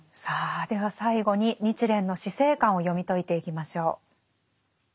さあでは最後に日蓮の死生観を読み解いていきましょう。